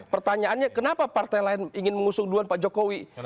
pertanyaannya kenapa partai lain ingin mengusung duluan pak jokowi